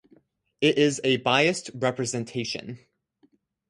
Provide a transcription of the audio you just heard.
It is a biased representation.